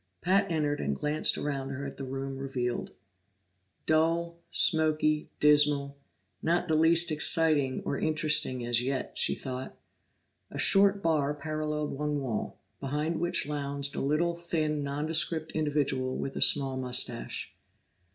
Pat entered and glanced around her at the room revealed. Dull, smoky, dismal not the least exciting or interesting as yet, she thought. A short bar paralleled one wall, behind which lounged a little, thin, nondescript individual with a small mustache.